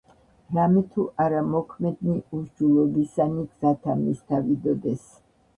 რამეთუ არა მოქმედნი უჰსჯულოებისანი გზათა მისთა ვიდოდეს.